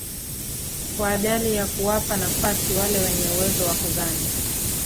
Kwa ajili ya kuwapa nafasi wale wenye uwezo wa kughani